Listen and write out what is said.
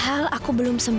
karenin sudah jaman